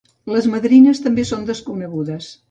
Les madrines també són desconegudes.